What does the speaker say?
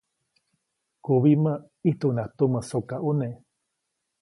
Kubimä, ʼijtuʼunŋaʼajk tumä sokaʼune.